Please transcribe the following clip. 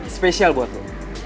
spesial buat lo